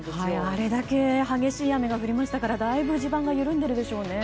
あれだけ激しい雨が降りましたからだいぶ地盤が緩んでいるでしょうね。